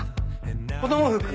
子供服？